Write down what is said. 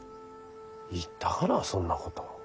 言ったかなそんなこと。